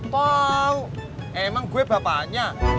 tau emang gue bapaknya